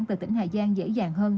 từ tỉnh hà giang dễ dàng hơn